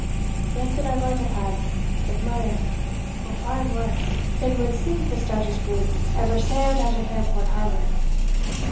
"Less than I might have had but mair, O far mair, than wad sink the stoutest brig e'er sailed out o' Fairport harbour!